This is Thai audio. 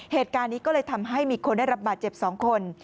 เหตุการณ์นี้ก็เลยทำให้มีคนได้รับบาดเจ็บ๒คน